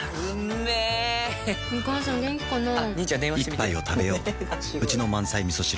一杯をたべよううちの満菜みそ汁